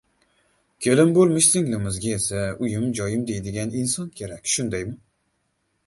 Kelin bo‘lmish singlimizga esa uyim-joyim deydigan inson kerak, shundaymi?